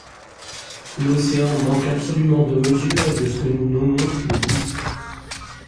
L’océan manque absolument de mesure et de ce que nous nommons le goût.